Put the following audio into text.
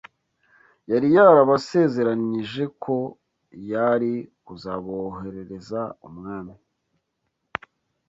yari yarabasezeranyije ko yari kuzaboherereza mwami